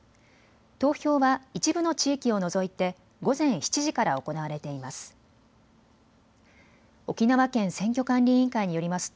投票は一部の地域を除いて午前７時から行われています。